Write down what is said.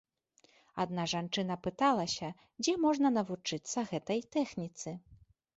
Адна жанчына пыталася, дзе можна навучыцца гэтай тэхніцы.